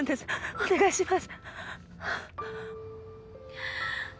お願いします